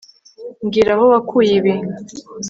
Mbwira aho wakuye ibi